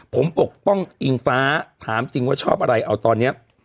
ผมปกป้องอิงฟ้าถามจริงว่าชอบอะไรเอาตอนนี้